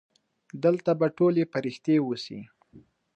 دلته به ټولې پرښتې اوسي.